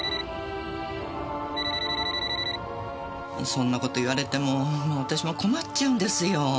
そんな事言われても私も困っちゃうんですよ。